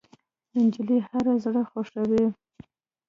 نجلۍ هر زړه خوښوي.